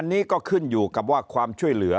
อันนี้ก็ขึ้นอยู่กับว่าความช่วยเหลือ